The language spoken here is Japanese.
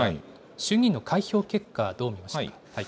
衆議院の開票結果、どう見ますか。